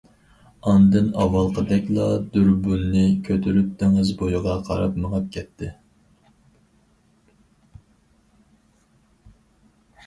ئاندىن ئاۋۋالقىدەكلا دۇربۇننى كۆتۈرۈپ دېڭىز بويىغا قاراپ مېڭىپ كەتتى.